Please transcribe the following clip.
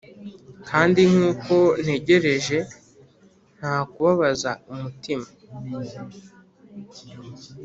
kandi nkuko ntegereje nta kubabaza umutima